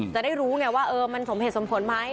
จะได้รู้ไงว่ามันสมเหตุสมผลไหม